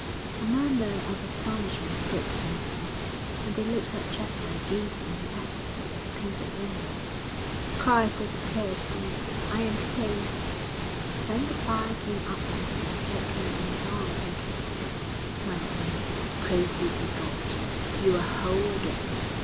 A murmur of astonishment broke from them, and they looked at Jasper gazing in ecstasy at the painted window. 'Christ has appeared to me.... I am saved!' Then the prior came up to him and took him in his arms and kissed him. 'My son, praise be to God! you are whole again.'